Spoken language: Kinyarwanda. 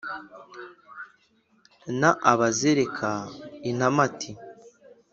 n’ abazereka intamati,